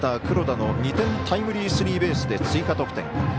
黒田の２点タイムリースリーベースで追加得点。